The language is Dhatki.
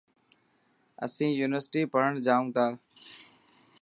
اسين يونيورسٽي پڙهڻ جائون ٿا.